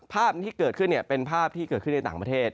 ภาพที่เกิดขึ้นเป็นภาพที่เกิดขึ้นในต่างประเทศ